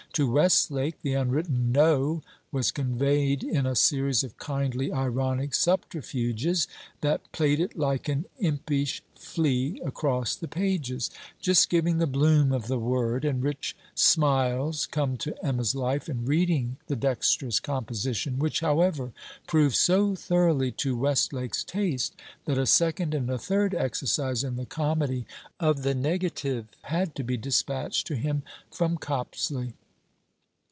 To Westlake, the unwritten No was conveyed in a series of kindly ironic subterfuges, that, played it like an impish flea across the pages, just giving the bloom of the word; and rich smiles come to Emma's life in reading the dexterous composition: which, however, proved so thoroughly to Westlake's taste, that a second and a third exercise in the comedy of the negative had to be despatched to him from Copsley.